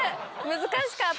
難しかった！